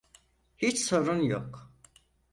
Hiç sorun yok.